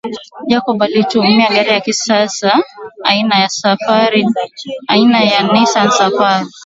Jacob alitumia gari ya kisasa aina ya Nissani safari